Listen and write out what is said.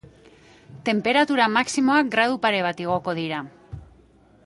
Tenperatura maximoak gradu pare bat igoko dira.